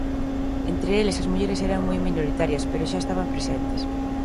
Entre eles, as mulleres eran moi minoritarias, pero xa estaban presentes.